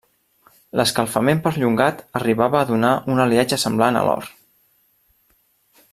L'escalfament perllongat arribava a donar un aliatge semblant a l'or.